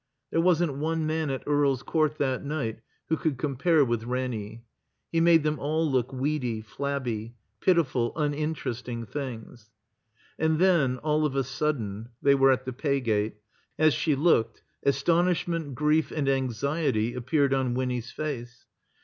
There wasn't one man at Earl's Court that night who could compare with Ranny. He made them all look weedy, flabby; pitiful, uninteresting things. And then, all of a sudden (they were at the pay gate), as she looked, astonishment, grief, and anxiety appeared on Winny's face.